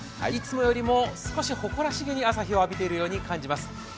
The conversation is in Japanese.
いつもよりも少し誇らしげに朝日を浴びているように感じます。